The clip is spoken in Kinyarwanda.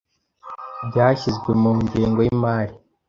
byashyizwe mu ngengo y’imari,